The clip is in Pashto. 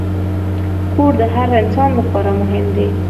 کور د هر انسان لپاره مهم دی.